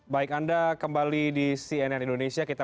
baik anda kembali di cnn indonesia